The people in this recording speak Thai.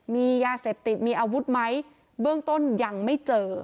มียาเสพติดมีอาวุธไหมเบื้องต้นยังไม่เจอ